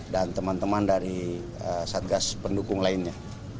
dan teman teman dari satgas pendukung lainnya